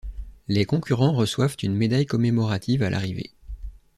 Les concurrents reçoivent une médaille commémorative à l'arrivée.